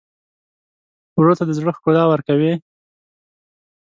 ورور ته د زړه ښکلا ورکوې.